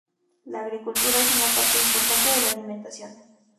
La agricultura es una parte importante de la alimentación.